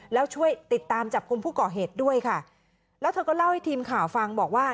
แล้วช่วยติดตามจับกลุ่มผู้ก่อเหตุด้วยค่ะแล้วเธอก็เล่าให้ทีมข่าวฟังบอกว่า